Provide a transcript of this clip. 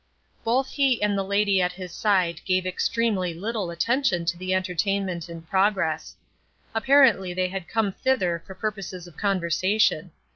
Both he and the lady at his side gave extremely little attention to the entertainment in progress. Apparently they had come thither for purposes of conversation.